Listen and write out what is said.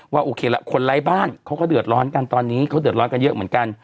โอเคละคนไร้บ้านเขาก็เดือดร้อนกันตอนนี้เขาเดือดร้อนกันเยอะเหมือนกัน